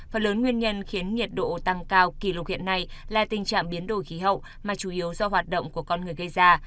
phần lớn nguyên nhân khiến nhiệt độ tăng cao kỷ lục hiện nay là tình trạng biến đổi khí hậu mà chủ yếu do hoạt động của con người gây ra